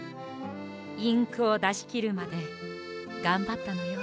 インクをだしきるまでがんばったのよ。